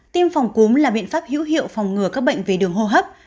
tiêm phòng cúm là biện pháp hữu hiệu phòng ngừa các bệnh về đường hô hấp